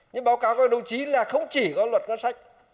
nhưng báo cáo với đồng chí là không chỉ có luật ngân sách